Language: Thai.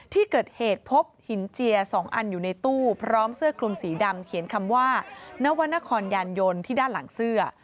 ที่เกิดเหตุพบหินเจีย๒อันอยู่ในตู้พร้อมเสื้อคลุมสีดำเขียนคำว่านวรรณครยานยนต์ที่ด้านหลังเสื้อ